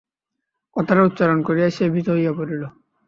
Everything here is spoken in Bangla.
কথাটা উচ্চারণ করিয়াই সে ভীত হইয়া পড়িল।